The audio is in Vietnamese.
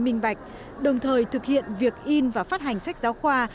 minh bạch đồng thời thực hiện việc in và phát hành sách giáo khoa